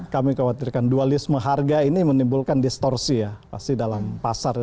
kami khawatirkan dualisme harga ini menimbulkan distorsi ya pasti dalam pasar ya